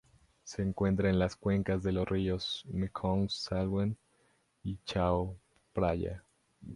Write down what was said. Se encuentra en las cuencas de los ríos Mekong Salween y Chao Phraya.